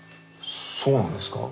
そうなんですか？